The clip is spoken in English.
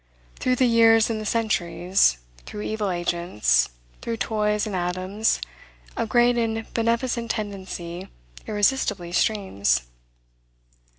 Through the years and the centuries, through evil agents, through toys and atoms, a great and beneficent tendency irresistibly streams.